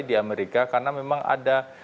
di amerika karena memang ada